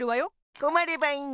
こまればいいんだよ。